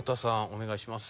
お願いします。